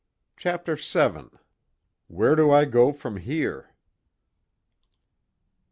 CHAPTER VII "WHERE DO I GO FROM HERE?"